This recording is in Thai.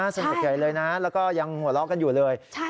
สนิทใหญ่เลยนะแล้วก็ยังหัวเราะกันอยู่เลย